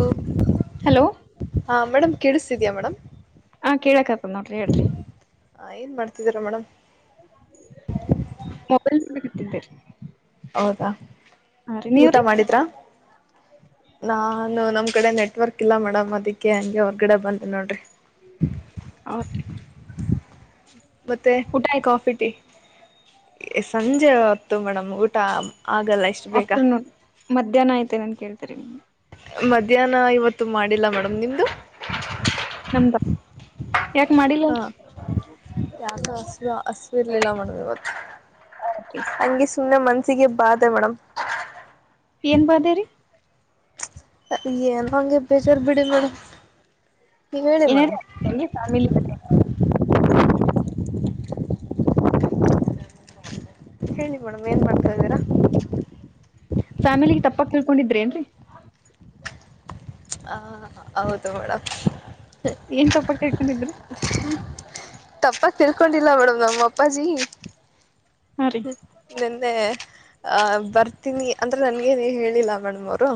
ಓ hello ಹಾ madam ಕೇಳಿಸ್ತಿದ್ಯಾ madam ಹಾ ಕೇಳಕತ್ತದ ನೋಡ್ರಿ ಹೇಳ್ರಿ ಹ ಏನ್ ಮಾಡ್ತಿದೀರ ಮೇಡಮ್ ಮೊಬೈಲ್ ನೋಡ್ತಿದ್ದೆ ಹೌದಾ ಊಟ ಮಾಡಿದ್ರಾ ನಾನು ನಮ್ಕಡೆ ನೆಟ್ವರ್ಕ್ ಇಲ್ಲ ಮೇಡಮ್ ಅದಕ್ಕೆ ಹಂಗೆ ಹೊರ್ಗಡೆ ಬಂದೆ ನೋಡ್ರಿ ಹೌದ್ರಿ ಮತ್ತೆ ಊಟ ಆಯ್ತು ಕಾಫಿ ಟೀ ಏ ಸಂಜೆ ಹೊತ್ತು ಮೇಡಮ್ ಊಟ ಆಗಲ್ಲ ಇಷ್ಟು ಬೇಗ ಅಫ್ಟರ್ ನೌನ್ ಮಧ್ಯಾಹ್ನ ಆಯ್ತೇನಂತ ಕೇಳ್ದೆ ರೀ ಮಧ್ಯಾಹ್ನ ಇವತ್ತು ಮಾಡಿಲ್ಲ ಮೇಡಮ್ ನಿಮ್ದು ನಮ್ದ ಯಾಕ ಹಾ ಮಾಡಿಲ್ಲಲ್ರಿ ಯಾಕೋ ಅಸ್ವ ಅಸ್ವಿರ್ಲಿಲ್ಲ ಮೇಡಮ್ ಇವತ್ತು. ಹಂಗೆ ಸುಮ್ನೆ ಮನ್ಸಿಗೆ ಬಾದೆ ಮೇಡಮ್. ಏನ್ ಬಾದೆ ರೀ. ಏನೋ ಹಂಗೆ ಬೇಜಾರ್ ಬಿಡಿ ಮೇಡಮ್ ನೀವೇಳಿ ಏನಾರ ಮೇಡಮ್ ಹಂಗೆ ಫ್ಯಾಮಿಲಿ ಹೇಳಿ ಮೇಡಮ್ ಏನ್ ಮಾಡ್ತಾದೀರಾ ಫ್ಯಾಮಿಲಿಗೆ ತಪ್ಪಾಗ್ ತಿಳ್ಕೊಂಡಿದ್ರೇನ್ರೀ ಹಾ ಹೌದು ಮೇಡಮ್ ಏನ್ ತಪ್ಪಾಗ ತಿಳ್ಕೊಂಡಿದ್ರಿ ತಪ್ಪಾಗ್ ತಿಳ್ಕೊಂಡಿಲ್ಲ ಮೇಡಮ್ ನಮ್ಮಅಪ್ಪಾಜಿ ಹಾ ರೀ ನೆನ್ನೆ ಅ ಬರ್ತೀನಿ ಅಂದ್ರೆ ನನ್ಗೇನೆ ಹೇಳಿಲ್ಲ ಮೇಡಮ್ ಅವ್ರು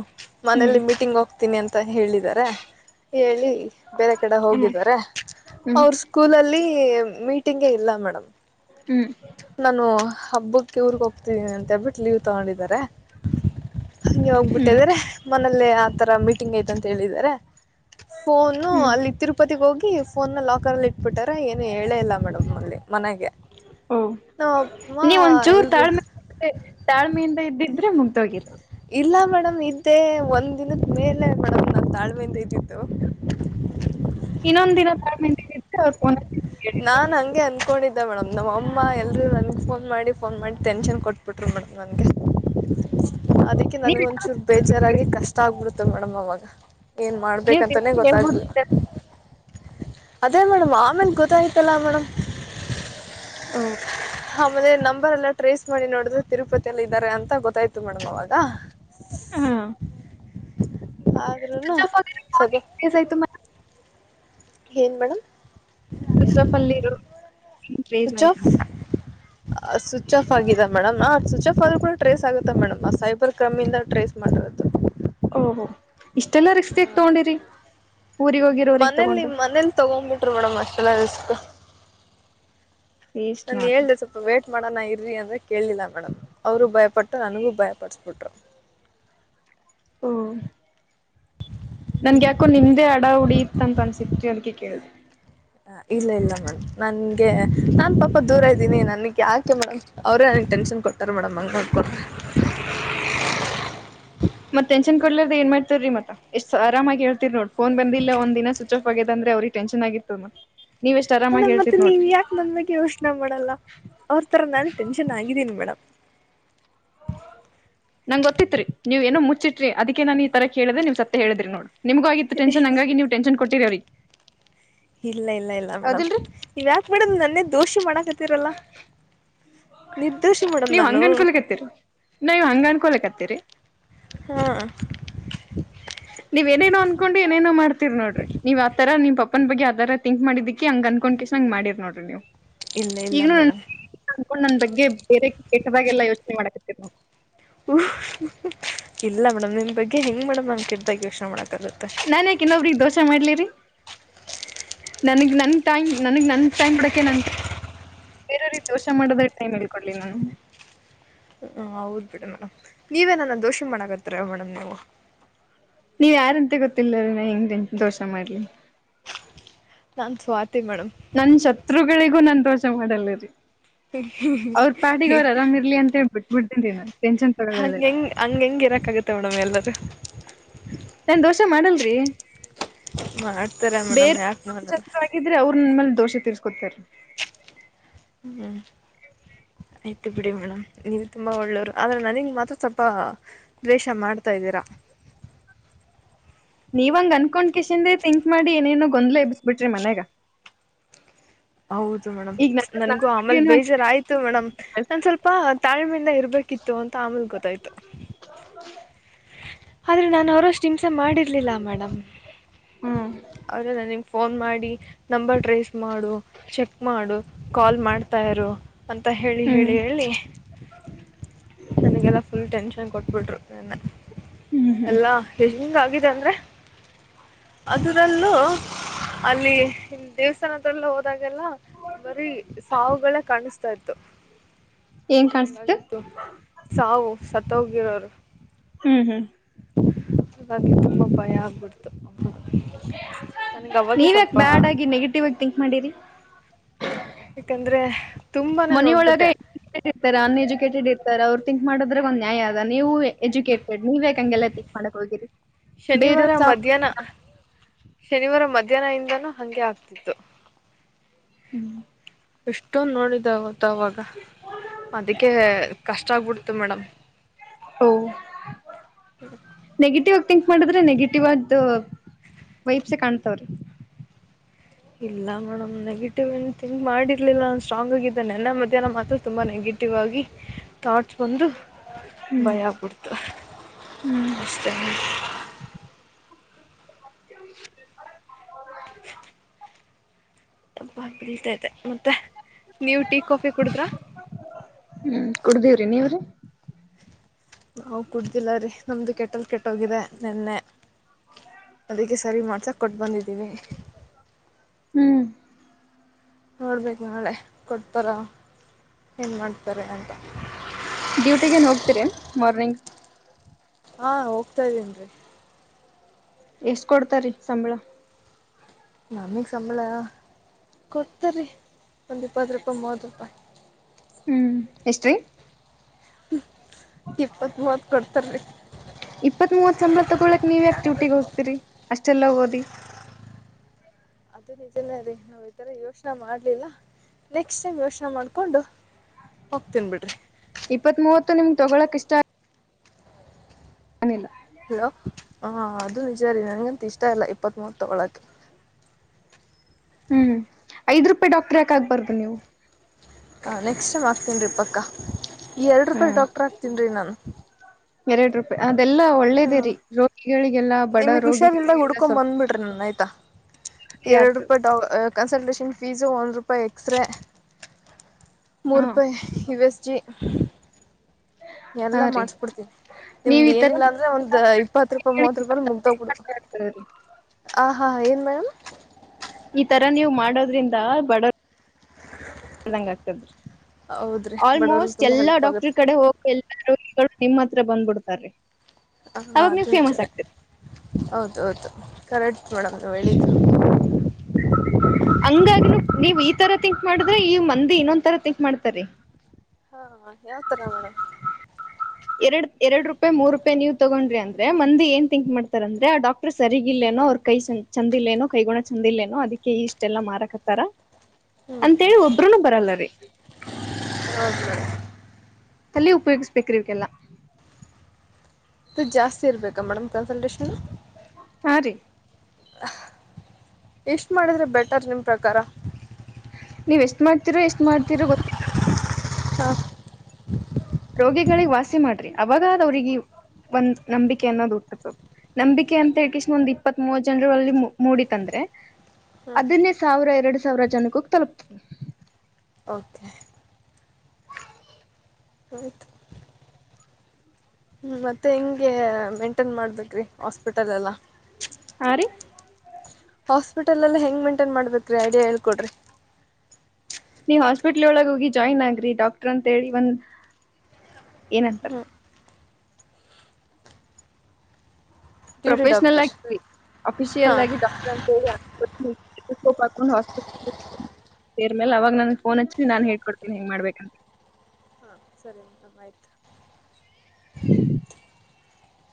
ಹ್ಮ್ ಮನೇಲಿ ಮೀಟಿಂಗ್ ಹೋಗ್ತೀನಿ ಅಂತ್ ತ ಹೇಳಿದಾರೆ ಹೇಳಿ ಬೇರೆ ಕಡೆ ಹ್ಮ್ ಹೋಗಿದಾರೆ ಹ್ಮ್ ಅವ್ರ್ ಸ್ಕೂಲಲ್ಲಿ. ಮೀಟಿಂಗೇ ಇಲ್ಲ ಮೇಡಮ್. ಹ್ಮ್ ನಾನು ಹಬ್ಬಕ್ಕೆ ಊರ್ಗೋಗ್ತಿದೀನಿ ಅಂತ್ ಹೇಳ್ಬಿಟ್ ಲೀವ್ ತಗೊಂಡಿದಾರೆ. ಹಂಗೆ ಹ್ಮ್ ಹೋಗ್ಬಿಟ್ಟಿದ್ರ ಮನಲ್ಲೇ ಆತರ ಮೀಟಿಂಗ್ ಐ್ತಂತ್ ಹೇಳಿದಾರೆ. ಫೋನು ಹ್ಮ್ ಅಲ್ಲಿ ತಿರುಪತಿಗೋಗಿ. ಫೋನ್ನ ಲೋಕರಲ್ಲಿಟ್ಬಿಟ್ಟರೆ ಏನು ಹೇಳೇ ಇಲ್ಲ ಮೇಡಮ್ ಅಲ್ಲಿ ಮನೆಗೆ. ಓಹ ನಮ್ಮ ಅಮ್ಮ ನೀವ್ ಒಂದ್ಚೂರ್ ಎಲ್ರು ತಾಳ್ಮೆ ತಾಳ್ಮೆಯಿಂದ ಇದ್ದಿದ್ರೆ ಮುಗ್ದೋಗಿರದು ಇಲ್ಲ ಮೇಡಮ್ ಇದ್ದೇ ಒಂದ್ ದಿನದ್ ಮೇಲೆ ಮೇಡಮ್ ನಾ ತಾಳ್ಮೆಯಿಂದ ಇದ್ದಿದ್ದು. ಇನ್ನೊಂದಿನ ತಾಳ್ಮೆಯಿಂದ ಇದ್ದೆ ಅವ್ರ್ ಫೋನ್. ಹಚ್ಚಿ ಕೇಳಿರೋದು. ನಾನ್ ಹಂಗೆ ಅನ್ಕೊಂಡಿದ್ದೆ ಮೇಡಮ್. ನಮ್ಮಮ್ಮ ಎಲ್ರೂ ನಂಗ್ ಫೋನ್ ಮಾಡಿ ಫೋನ್ ಮಾಡಿ ಟೆನ್ಷನ್ ಕೊಟ್ಬಿಟ್ರು ಮೇಡಮ್ ನನ್ಗೆ. ಅದಕ್ಕೆ ನೀವ್ ನನಿಗ್ ಒಂಚೂರು ಬೇಜಾರಾಗಿ ಕಷ್ಟ ಆಗ್ಬಿಡ್ತು ಮೇಡಮ್ ಅವಾಗ. ಏನ್ ನೀವು ಮಾಡ್ಬೇಕಂತಾನೇ ತಿರ್ಸಿ ಗೊತ್ತಾಗ್ಲಿಲ್ಲ. ಹೇಳ್ಬೋದಿತ್ತ ಅದೇ ಮೇಡಮ್ ಆಮೇಲ್ ಗೊತ್ತಾಯ್ತಲ್ಲಾ ಮೇಡಮ್. ಓ. ಆಮೇಲೆ ನಂಬರ್ ಎಲ್ಲ ಟ್ರೇಸ್ ಮಾಡಿ ನೋಡಿದ್ರೆ ತಿರುಪತಿಯಲ್ಲಿ ಇದ್ದಾರೆ ಅಂತ ಗೊತ್ತಾಯ್ತು ಮೇಡಮ್ ಅವಾಗ. ಹಾ. ಆದ್ರೂನು ಸ್ವಿಚ್ ಆಫ್ ಆಗಿದ್ರು ಫೋನ್ ಸ್ವಲ್ಪ ಹೆಂಗ್ ಟ್ರೇಸ್ ಆಯ್ತು ಮೇಡಮ್. ಏನ್ ಮೇಡಮ್. ಸುಚ್ಚಾಫ್ ಅಲ್ಲಿರೋ ಹೆಂಗ್ ಟ್ರೇಸ್ ಆಯ್ತಂತ. ಆ ಸ್ವಿಚ್ ಆಫ್ ಆಗಿದೆ ಮೇಡಮ್ ಆ ಸ್ವಿಚ್ ಆಫ್ ಆದ್ರೂ ಕೂಡ ಟ್ರೇಸ್ ಆಗುತ್ತೆ ಮೇಡಮ್ ಆದ್ ಸೈಬರ್ ಕ್ರೈಮಿಂದ ಟ್ರೇಸ್ ಮಾಡಿರದು. ಓಹೋ ಇಷ್ಟೆಲ್ಲಾ ರಿಸ್ಕ್ ಯಾಕ್ ತಗೊಂಡಿರಿ. ಊರಿಗ್ ಹೋಗಿರೋರಿಗ್ ಮನೇಲಿ ತಗೊಂಡು. ಮನೇಲಿ ತಗೊಂಡ್ಬಿಟ್ರು ಮೇಡಮ್ ಅಷ್ಟೆಲ್ಲ ರಿಸ್ಕ್. ವೇಸ್ಟ್ ನನ್ ನೋಡ್ರಿ. ಹೇಳ್ದ ಸ್ವಲ್ಪ ವೇಟ್ ಮಾಡೋಣ ಇರಿ ಅಂದ್ರೆ ಕೇಳಲಿಲ್ಲ ಮೇಡಮ್ ಅವರು ಭಯಪಟ್ಟ. ಮ ನನಗೂ ಭಯಪಡಿಸ ಬಿಟ್ರ. ಹೂ. ನನ್ಗ್ಯಾಾಕೋ ನಿಮ್ದೇ ಅಡ ಉಡಿಿಯತ್ ಅಂತ ಅನ್ಸಿತ್ರಿ ಅದಕ ಕೇಳ್ದಿ. ಹ ಇಲ್ಲ ಇಲ್ಲ ಮೇಡಮ್ ನನ್ಗೆ ನಾನ್ ಪಾಪ ದೂರ ಇದ್ದೀನಿ ನನ್ಗೆ ಯಾಕೆ ಮೇಡಮ್ ಅವ್ರೇ. ಟೆನ್ಷನ್ ಕೊಟ್ಟಾರ ಮೇಡಮ್ ಹಂಗ್ ಮಾಡ್ಕೊಂಡ್ರಿ. [inaudible] ಮತ್ತೆಟೆನ್ ಕೊಡ್ರ್ದ ಏನ್ ಮಾಡ್ತತಿರಿ ಮತ್ತ ಎಷ್ಟ ಆರಾಮಾಗಿ ಹೇತತಿರಿ ನೋ ಪೋನ್ ಬಂದಿಲ್ಲ ಒಂದ ದಿನ ಸ್ವಿಚ್ ಆಫ್ ಆಗದ. ಅವ್ರಿಗೆ ಟೆನ್ಷನ್ ಆಗಿತ್ತು. ನೋಡ ಮತ್ತೆ ನೀವ್ ಯಾಕ ನಂದ ಬಗ್ಗೆ ಯೋಚನಾ ಮಾಡಲ್ಲ. ಅವ್ರ ತರ ನಾನು ಟೆನ್ಷನ್ ಆಗಿದ್ದೀನಿ ಮೇಡಮ್. ನಂಗ್ ಗೊತ್ತಿತ್ರಿ ನೀವ ಏನೋ ಮುಚ್ಚಿರಿದಕ ನಾನನ್ ಈ ತರ ಕೇಳ್ದೆ ನೀವ್ ಸತ್ತತ್ ಹೇಳಿದ್ರಿ ನೋಡು. ನಿಮಗಿತ್ತು ಟನ್ ಹಂಗಾಗಿ ನೀವು ಟೆನ್ ಕೊಟ್ಟರ ರರಿ. ಇಲ್ಲ ಇಲ್ಲ ಇಲ್ಲ ಮೇಡಮ್ ಇವ ಯಾಕ ಮೇಡಮ್ ನನ್ನೇ ದೋಷಿ ಮಾಡಕತ್ತೀರಲ್ಲ. ನಿರ್ದೋಷಿ ಮೇಡಮ್ ನೀವ್ ನಾನು ಹಂಗನ್ಕೊಲಕ್ ಹತ್ತೀರಿ ನೀವ್ ಹಂಗ ಅನ್ಕೊಲಕ್ ಹತ್ತೀರಿ. ಹಾ. ಹ [inaudible] ನೀವ್ ಏನೇನೋ ಅನ್ಕೊಂಡು ಏನೆನೋ ಮಾಡ್ತೀರ್ ನೋಡ್ರಿ ನೀವ್ ಅ ತರ ನಮ್ ಪಪ್ಪನ್ ಬಗ್ಗೆ ಆ ತರ ತಿಂಕ್ ಮಾಡಿದ್ದಿಕ್ಕೆ ಹಂಗ ಅನ್ಕೊಂಡ ಚಂಗ್ ಮಾಡಿ ನೋರಿ ನೀವು. ಇಲ್ಲ ಇಲ್ಲ ಈಗ್ನು ಮೇಡಮ್. ನನ್ ಬಗ್ಗೆ ಬೇರೆ ಕೆಟ್ಟದಾಗೆಲ್ಲ ಯೋಚನೆ ಮಾಡಕರ್ತಿರ್ ನೋಡು. ಹ್ ಇಲ್ಲ ಮೇಡಮ್ ನಿನ್ಬಗ್ಗೆ ಹೆಂಗ್ ಮೇಡಮ್ ನಮ ಕ್ದಾಗ ಯೋಚನೆ ಮಾಡಕ್. ನಾನ್ ಯಾಕ ಇನ್ನೊಬ್ರಿ ದೋಷೆ ಮಾಡ್ಲಿರಿ. ನನಗೆ ನನ್ ಟೈ ನನಗೆ ನನ್ ಟೈಮ್ ಕೊಡಕ ನನ್. ಬೇರೆಯವ್ರಿಗೆ ದೋಷ ಮಾಡೋದಟ್ಟನೇ ಮೇಳ್ಕೊೊಳ್ಳಲಿಲ್ಲ ನಾನು. ಹ ಹೌದ್ ಬಿಡು ಮೇಡಮ್ ನೀವೇ ನನ್ನ ದೋಷಿ ಮಾಡಕತ್ತರ ಮೇಡಮ್ ನೀವು. ನೀವ್ ಯಾರಂತೆ ಗೊತ್ತಿಲ್ಲರಿ ನ ಹೆಂಗೆ ದೋಷ ಮಾಡ್ಲಿ. ನಂದ್ ಸ್ವ ನನ್ ಶತ್ರುಗಳಿಗೂ ನನ್ ದೋಷ ಮಾಡಲ್ಲ ರಿ. ಅವ್ರ ಪಾಟಿಗೆ ಅವ್ರ ಅರಾಂ ಇರ್ಲಿ ಅಂತ ಹೇಳಿ ಬಿಟ್ಬಿಡ್ತೀನಿ. ಹಂಗ ಹೆಂಗ್ ಹಂಗ ಹೆಂಗ್ ಇರಕ್ ಆಗುತ್ತೆ ಮೇಡಮ್ ಎಲ್ಲರೂ. ನಾನ್ ದೋಷ ಮಾಡಲ್ರಿ. ಮಾಡ್ತಾರೆ ಮೇಡಮ್ ಯಾಕೆ ಮಾಡಲ್ಲ ಬೇರೆಚಂದ ಆಗಿದ್ರೆ ಅವರು ನಮ್ಮೇ ದೋಷ ತೀರ್ಸ್ತಾ [unintelligible] ಕೊತಾರೆ. ಹ್ಮ್ ಆಯ್ತು ಬಿಡಿ ಮೇಡಮ್ ನೀವ್ ತುಂಬಾ ಒಳ್ಳೋರು ಆದ್ರೆ ನನಗ್ ಮಾತ್ರ ಸ್ವಲ್ಪ ದ್ವೇಷ ಮಾಡ್ತಾ [unintelligible] ದರಾ ನೀವಂಗ ಅನ್ಕೊಂಡ್ ಕಶಿಂದೇ ತಿಂಕ್ ಮಾಡಿ ಏನೇನೋ ಗೊಂದ್ಲ ಎಬ್ಬಿಸಬಿಟ್ರಿ ಮನ್ಯಾಗ. ಹೌದು ಮೇಡಮ್ ಈಗ ನ ನನ್ಗೂ ಆಮೇಲ್ ಬಗ್ಗೆನು ಬೇಜಾರಾಯ್ತು ಮೇಡಮ್ ನನ್ ಸ್ವಲ್ಪ ತಾಳ್ಮೆಯಿಂದ ಇರ್ಬೇಕಿತ್ತು. ಅಂತ ಆಮೆಲ್ ಗೊತ್ತಾಯ್ತು. [inaudible] ಆದ್ರೆ ನಾನು ಅವರಷ್ಟು ಹಿಂಸ ಮಾಡಿರ್ಲಿಲ್ಲ ಮೇಡಮ್ ಹ್ಮ್ ಅವರು ನನಗೆ ಫೋನ್ ಮಾಡಿ. ನಂಬರ್ ಟ್ರೇಸ್ ಮಾಡು. ಚೆಕ್ ಮಾಡು ಕಾಲ್ ಮಾಡ್ತಾ ಇರು. ಅಂತ ಹೇಳಿ ಹ್ಮ್ ಹೇಳಿ ಹೇಳಿ ನನಗೆಲ್ಲ ಫುಲ್ ಟೆನ್ಷನ್. ಕೊಟ್ಬಿಟ್ರು ನನ್ನೆ ಹ್ಮ್ ಹ್ಮ್ ಎಲ್ಲಾ ಎಲ್ಲಿಂದ ಆಗಿದೆ ಅಂದ್ರೆ. ಅದರಲ್ಲೂ ಅಲ್ಲಿ ದೇವಸ್ಥಾನ ಹತ್ರೆಲ್ಲ ಹೊ [unintelligible] ಗಬರೀ ಸಾವ್ಗಳೆ ಕಾಣಿಸತಾ ಇತ್ತು. ಏನ್ ಕಾಣಸ್ತಿತ್ತು ಹಂಗಾಗಿತ್ತು ಸಾವು ಸತ್ತ ಹೋಗಿರೋರು. ಹ್ಮ್ ಹ್ಮ್ ಹಾಗಾಗಿ ತುಂಬಾ ಭಯ ಆಗ್ಬಿಡ್ತು. ನನಗೆ ಅವಾಗೆ ನೀವ ಯಾಕ ಸ್ವಲ್ಪ ಬ್ಯಾಡ್ ಆಗಿ ನೆಗೆಟಿವ್ ಆಗಿ ಥಿಂಕ್ ಮಾಡಿರಿ. ಯಾಕಂದ್ರೆ. ಮನಿಯೊಳಗೆ [unintelligible] ಅನ್ಯಜುಕೆಟ್. [unintelligible] ಟ್ ಇರ್ತಾರ ಅವರು ತಿಂಕ್ ಮಾಡಿದ್ರೆ ಒಂದು ನ್ಯಾಯ ಅದ ನೀವುವೆ ಎಜುಕೇಟ್. ನೀವ್ಯಾಕ್ ಹಂಗೆಲ್ಲ ತಿಂಕ್ ಮಾಡಕ್ ಹೋಗ್ತಿರಿ ಬೇರವರ್ ಚ ಶನಿವಾರ ಮಧ್ಯಾಹ್ನ ಇಂದಾನೂ ಹಂಗೆ ಆಗ್ತಿತ್ತು. ಹ್ಮ್ ಎಷ್ಟೊಂದು ನೋಡಿದಾವ. [unintelligible] ವಾಗ ಅದಕ್ಕೆ ಕಷ್ಟ ಆಗ್ಬಿಡ್ತು ಮೇಡಮ್. [inaudible] ಓ [unintelligible] ಕ್ ಮಾಡಿದ್ರೆ ನೆಗೆಟಿವ್ ಆದ್ದು ವೈಬ್ಸೇ ಎ ಕಾಣ್ತಾವ್ರಿ. ಇಲ್ಲ ಮೇಡಮ್ ನೆಗೆಟಿವ್ ಏನ್ ಥಿಂಕ್ ಮಾಡಿರ್ಲಿಲ್ಲ ನಾನ್ ಸ್ಟ್ರಾಂಗ ಆಗಿದ್ದೆ ನೆನ್ನ ಮದ್ಯಾಹ ನ ಮಾತ್ರ ತುಂಬಾ ನೆಗೆಟಿ [unintelligible] ಟಿವ್ ಆಗಿ ಥಾಟ್ಸ್ ಬಂದು. ಭಯಾ ಅಗ್ಬಿಡ್ತು ಅಷ್ಟೆ ಮೆಡಮ್. [inaudible] ತಪ್ಪ ಬೀಳ್ತೇ ಮ ಮತ್ತೆ ನೀವ್ ಟೀ ಕಾಫಿ ಕುಡುದ್ರ. ಹ್ಮ್ ಕುಡ್ದೀವ್ರಿ ನೀವ್ರಿ ನಾವು ಕುಡ್ದಿಲ್ಲ ರೀ ನಮ್ದು ಕೆಟ್ಟ ಕೆಟ್ಟೋಗಿದೆ ನೆನ್ನೆ ಅದಕ್ಕೆ ಸರಿ ಮಾಡ ಕೊಟ್ ಬಂದಿದ್ದೀನಿ. ಹ್ಮ್ ನೋಡ್ಬೇಕು ನಾಳೆ ಕೊಡ್ತಾರ ಏನು ಮಾಡ್ತಾರೆ ಅಂತ. ಡ್ಯೂಟಿಗೇನ್ ಹೋಗ್ತೀರಿ ಎನ್ ಮಾರ್ನಿಂಗ್. ಹಾ ಹೋಗ್ತಾ ಇದ್ದೀನ್ರಿ. ಎಷ್ಟ್ ಕೊಡ್ತರಿ ಸಂಬಳ. ನಮಿಗ್ ಸಂಬಳ. ಕೊಡ್ತರಿ ಒಂದು ಇಪ್ಪತ್ ರೂಪಾಯಿ ಮೂವತ್ ರೂಪಾಯಿ. ಹ್ಮ್ ಎಷ್ಟ್ರೀ. ಇಪ್ಪತ್ ಮೂವತ್ ಕೊಡ್ತಾರರಿ. ಇಪ್ಪತ್ ಮೂವತ್ ಸಂಬಳ ತಗೊಳಕ್ ನೀವ್ ಯಾಕ್ ಡ್ಯೂಟಿಗ್ ಹೋಗ್ತೀರಿ ಅಷ್ಟ ಚೆಲ್ಲಾ ಓದಿ. ಅದು ನಿಜನೇ ರೀ ನಾವ್ ಇತರ ಯೋಚ್ನೆ ಮಾಡ್ಲಿಲ್ಲ ನೆಕ್ಸ್ಟ್ ಟೈಮ್ ಯೋಚ್ನೆ ಮಾಡ್ಕೊಂಡು. ಹೋಗ್ತೀನ್ ಬಿಡ್ರಿ. ಇಪ್ಪತ್ ಮೂವತ್ತು ನಿಮ್ಗ್ ತೊಗೊಳಕ್ ಇಷ್ಟ [unintelligible] ನಿಲ್ಲ ಹಲೋ ಹ ಅದು ನಿಜ ರೀ ನಂಗಂತೂ ಇಷ್ಟ ಇಲ್ಲ ಇಪ್ಪತ್ ಮೂವತ್ ತಗೋಳಕ್ಕೆ. [inaudible] ಆಯ್ದಿರೂಪಾಯಿ ಡಾಕ್ಟರ್ ಯಾಕಾಗಗ್ಬಾರ್ದು ನೀವು. ಹ ನೆಕ್ಸ್ಟ್ ಆಗ್ತನ್ ರೀ ಪಕ್ಕ ಎರಡ್ರುಪಾಯಿ ಹ್ಮ್ ಡಾಕ್ಟರ್ ಆಗ್ತೀನ್ ರೀ ನಾನು. ಎರಡ್ ರೂಪಾಯಿ ಎಲ್ಲ ಒಳ್ಳೇದೆ ಹ್ಮ್ ರೀ ರೋಗಿಗಳಿಗೆಲ್ಲಾ ಬಡ ನಿಮಗ್ ಹುಷಾರಿಲ್ದಾಗ ರೋಗಿಗಳಿಗೆಲ್ಲ ಸ್ವಲ್ಪ ಸಹಾಯ ಎರಡ್ ಆಗ್ತದೆ ರೂಪಾಯಿ ಡ ಕನ್ಸಲ್ಟೇಷನ್ ಫೀಸು ಒಂದು ರೂಪಾಯಿ ಎಕ್ಸ್ರೇ ಹಾ ಮೂರೂಪಾಯಿ ಯು ಎಸ್ ಚಿ ಹಾ ಎಲ್ಲಾ ರೀ ಮಾಡಸ್ಬಿಡ್ತೀನಿ. ನೀವ್ ನಿಮ್ದ್ ಈ ತರ ಏನಿಲ್ಲಾಂದ್ರೆ ಒಂದ್ ಇಪ್ಪತ್ ರೂಪಾಯಿ ಮೂವತ್ ರೂಪಾಯ ಮುಗ್ಧಧೋಗ್ ಬಿಡು ಹಾ. ಹಾ ಏನ್ ಮೇಡಂ. ಈತರ ನೀವ್ ಮಾಡೋದ್ರಿಂದ ಬಡ ದಂಗ ಆಗ್ತದ್ರಿ ಹೌದ್ರಿ ಬಡವ್ರಿಗೆ ಆಲ್ಮೋಸ್ಟ್ ತುಂಬ ಎಲ್ಲಾ ಹೆಲ್ಪ್ ಡಾಕ್ಟರ್ ಆಗುತ್ತೆ ಕಡೆ ಹೋಗ್ ಎಲ್ಲ ನಿಮ್ ಹತ್ರ ಬಂದ್ಬಿಡ್ತಾರೀ. ಹಾ ಅವಾಗ ಅದು ನೀವ್ ಫೇಮಸ್ ನಿಜಾನೆ ಆಗ್ತರಿ ಹೌದ್ ಹೌದು. Correct madam ನಿವ್ ಹೇಳಿದು. ಹಂಗಾಗಿನು ನೀವ್ ಈತರ ತಿಂಕ್ ಮಾಡಿದ್ರೆ ಈ ಮಂದಿ ಇನ್ನೊಂತರ ತಿಂಕ್ ಮಾಡ್ತರಿ. ಹಾ ಯಾವತರ ಮೇಡಂ. ಎರಡ್ ಎರಡ್ ರೂಪಾಯಿ ಮೂರು ರೂಪಾಯಿ ನೀವು ತಗೊಂಡ್ರಿ ಅಂದ್ರೆ ಮಂದಿ ಏನ್ ತಿಂಕ್ ಮಾಡ್ತಾರಂದ್ರೆ ಆ ಡಾಕ್ಟರ್ ಸರಿಗಿಲ್ ಎನೋ ಅವ್ರ ಕೈ ಚಂದಿಲ್ಲೇನೋ ಕೈ ಗುಣ ಚಂದಿಲ್ಲೇನೋ ಅದಕ್ಕೆ ಇಷ್ಟೆಲ್ಲ ಮಾರಕತ್ತಾರ. ಅಂತೇಳಿ ಒಬ್ರುನು ಬರಲ್ಲರಿ. ಹೌದು ತಲಿ ಉಪಯೋಗಿಸ್ಬೇಕ್ರಿ ಇವುಕೆಲ್ಲ. ದ್ ಜಾಸ್ತಿ ಇರ್ಬೇಕಾ ಮೇಡಮ್ ಕನ್ಸಲ್ಟೇಷನ್. ಹಾ ರೀ. ಹಾ ಇಷ್ಟ್ ಮಾಡಿದ್ರೆ ಬೆಟರ್ ನಿಮ್ ಪ್ರಕಾರ. ನೀವ್ ಎಷ್ಟ್ ಮಾಡ್ತಿರೋ ಎಷ್ಟ್ ಮಾಡ್ತಿರೋ ಗೊತ್ತಿಲ್ಲ. ಹಾಂ ರೋಗಿಗಳಿಗ್ ವಾಸಿ ಮಾಡ್ರಿ ಅವಾಗಾದ್ ಅವ್ರಿಗೆ ಒಂದ್ ನಂಬಿಕೆ ಅನ್ನೋದು ಹೂಟತ್. ನಂಬಿಕೆ ಅಂತ ಅಟ್ಲಿಸ್ಟ್ ಒಂದ್ ಇಪ್ಪತ್ ಮೂವತ್ ಜನರು ಅಲ್ಲಿ ಮೂಡಿತಂದ್ರೆ. ಹ್ಞೂ ಅದನ್ನೇ ಸಾವಿರ ಎರಡು ಸಾವಿರ ಜನಕೂ ಹೋಗ್ ತಲುಪ್ತುತ್ತದೆ. ಓಕೆ. ಆಯಿತು ಹ್ಮ ಮತ್ತೆ ಹೆಂಗೆ ಮೇಂಟೇನ್ ಮಾಡ್ಬೇಕ್ರಿ ಹಾಸ್ಪಿಟಲ್ ಎಲ್ಲ. [inaudible] ಹಾಸ್ಪಿಟಲ್ ಎಲ್ಲ ಹೆಂಗ್ ಮೈಂಟೈನ್ ಮಾಡ್ಬೇಕ್ರೀ ಐಡಿಯಾ ಹೇಳ್ಕೊಡ್ರಿ. ನಿವ್ ಹಾಸ್ಪಿಟ್ಲ್ ಒಳಗ ಹೋಗಿ ಜಾಯ್ನ್ ಆಗ್ರಿ ಡಾಕ್ಟರ್ ಅಂತ ಹೇಳಿ ಒಂದ್. ಏನಂತಾರ. ಹ್ಞೂ ಡ್ಯೂಟಿ ಪ್ರೊಫೆಷ್ನಲ್ ಡಾಕ್ಟರ್ ಆಗಿ ಅಫಿಷಿಯಲ್ ಹಾಂ ಆಗಿ ಡಾಕ್ಟರ್ ಅಂತ ಹೇಳಿ ಪ ಹಸ್ಪ [unintelligible] ಸೇರ್ ಮೇಲೆ ಅವಾಗ ನನ್ ಫೋನ್ ಹಚ್ಚಿ ನಾನ್ ಹೇಳ್ಕೊಡ್ತೀನಿ ಹೆಂಗ ಮಾಡ್ಬೇಕಂತ ಹಾ ಸರಿ ಆಯಿತು ಹ್ಮ್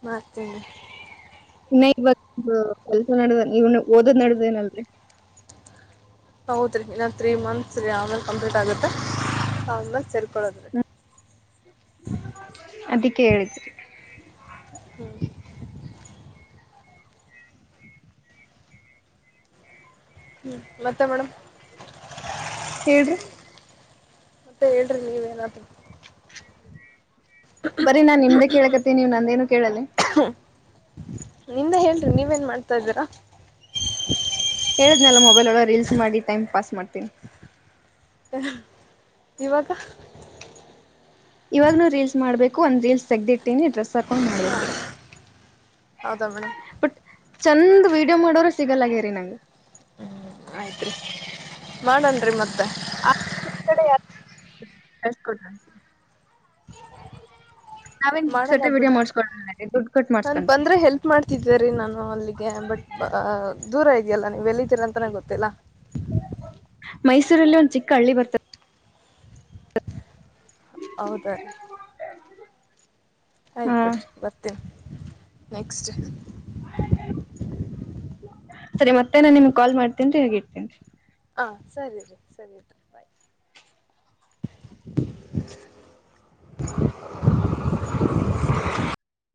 ಮತ್ತನೆ ಇನ್ನ ಇವ್ವತ್ತು ಕೆಲ್ಸ ನಡ್ದ ನೀವ್ನು ಓದದ್ ನಡ್ದೇನಲ್ರರಿ ಹೌದ್ರಿ ಇನ್ನೊ ತ್ರೀ ಮಂತ್ಸ್ ರೀ ಆಮೇಲೆ ಕಂಪ್ಲೀಟ್ ಆಗುತ್ತೆ ಮೇ ಸ ಕೊಳದ್ರೆ ಅದಿಕ್ಕೆ ಹೇಳಿದ್ದು ಹ್ಞೂ ಹ್ಞೂ ಮತ್ತೆ ಮೇಡಮ್ ಹೇಳ್ರಿ ಮತ್ತ ಹೇಳ್ರಿ ನೀವ ಏನಾದರು ಬರಿ ನಾನ್ ನಿಮ್ದೆ ಕೇಳಕತ್ತೀನಿ ನೀವ್ ನಂದ ಏನು ಕೇಳಲ್ಲನ್ ನೀವೇನ್ ಮಾಡ್ತಾ ಇದೀರಾ ಹೇಳೇಳಿದ್ನಲ್ಲ ಮೊಬೈಲ್ ಒಳ ರೀಲ್ಸ್ ಮಾಡಿ ಟೈಮ್ ಪಾಸ್ ಮಾಡ್ತೀನಿ ಇವಾಗ ಇವಾಗ್ನ ರೀಲ್ಸ್ ಮಾಡ್ಬೇಕು ಒಂದ್ ರೀಲ್ಸ್ ತೆಗ್ದ ಇಟ್ಟೀನಿ ಡ್ರೆಸ್ ಹಾಕೊಂಡು ಮಾಡ್ಬೇಕ್ರಿ ಹೌದಾ ಮೇಡಮ್ ಬಟ್ ಚಂದ ವಿಡಿಯೋ ಮಾಡೋರ ಸಿಗಲ್ಲಗೇರಿ ನಂಗ ಆಯ್ತ ರೀ ಮಾಡನ್ರಿ ಮತ್ತೆ ಕಡೆ ಎಷ್ಟ ಕೊ [unintelligible] ಅವೇನೇ ಪುಗ್ಸಟೆ ವಿಡಿಯೋ ಮಾಡ್ಸಕೊಂಡನ್ ದುಡ್ಡ್ ಕಟ್ ಮಾಡ ಅಂದ ಬಂದ್ರೆ ಹೆಲ್ಪ್ ಮಾಡ್ತಿದ್ದೇ ರೀ ನಾನು ಅಲ್ಲಿಗೆ ಬಟ್ ದೂರ ಇದೆಯಲ್ಲ ನೀವ್ ಎಲ್ಲಿದ್ದೀರ ಅಂತಾನ ಗೊತ್ತ ತ್ತಲ್ಲ ಮೈಸೂರಲ್ಲಿ ಒಂದ್ ಚಿಕ್ಕ ಹಳ್ಳಿ ಬರ್ತದ. ಹೌದ ರೀ ಹಾ ಆಯ್ತು ಬಿಡ್ರಿ ಬರ್ತೀನಿ ನೆಕ್ಸ್ಟ್ ಸರಿ ಮತ್ತೇ ನಾನ್ ನಿಮ್ ಕಾಲ್ ಮಾಡ್ತೇನಿ ರೀ ಈವಾಗ್ ಇಡತೀನಿ ರೀ ಹಾ ಸರಿ ರೀ ಸರಿ ರಿ ಬಾಯ್ [inaudible] [inaudible]